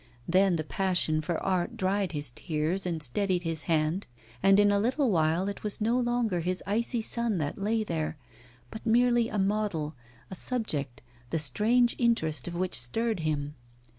Then the passion for art dried his tears and steadied his hand, and in a little while it was no longer his icy son that lay there, but merely a model, a subject, the strange interest of which stirred him.